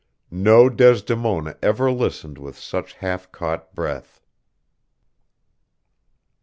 No Desdemona ever listened with such half caught breath....